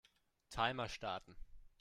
Timer starten.